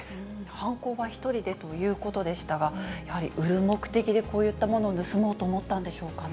犯行は１人でということでしたが、やはり売る目的でこういったものを盗もうと思ったんでしょうかね。